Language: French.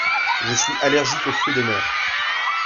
Je suis allergique aux fruits de mer.